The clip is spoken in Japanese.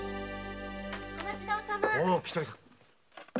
お待ちどうさま。